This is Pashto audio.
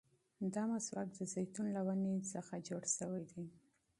دا مسواک د زيتون له ونې څخه جوړ شوی دی.